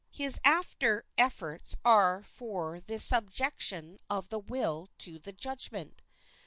His after efforts are for the subjection of the will to the judgment.